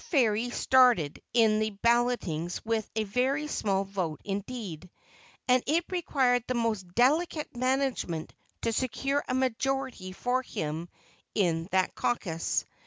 Ferry started in the ballotings with a very small vote indeed, and it required the most delicate management to secure a majority for him in that caucus.